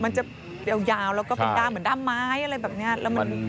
มันจะยาวแล้วก็เป็นด้ามเหมือนด้ามไม้อะไรแบบนี้